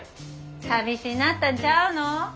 寂しなったんちゃうの？